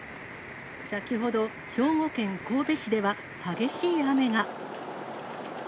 先ほど、兵庫県神戸市では、激しい雨が。